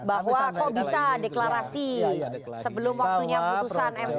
bahwa kok bisa deklarasi sebelum waktunya putusan mk